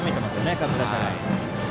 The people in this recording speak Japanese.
各打者が。